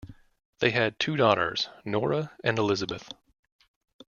They had two daughters, Nora and Elizabeth.